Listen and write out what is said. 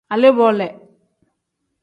Alee-bo le.